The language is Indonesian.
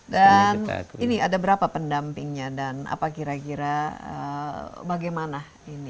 dan ini ada berapa pendampingnya dan apa kira kira bagaimana ini